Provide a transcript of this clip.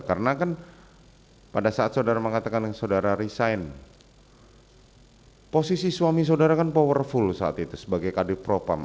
karena kan pada saat saudara mengatakan saudara resign posisi suami saudara kan powerful saat itu sebagai kadir propam